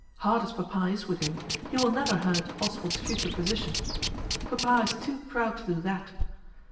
Hard as papa is with him, he will never hurt Oswald's future position. Papa is too proud to do that.